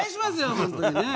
本当にね。